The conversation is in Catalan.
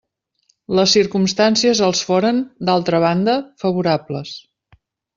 Les circumstàncies els foren, d'altra banda, favorables.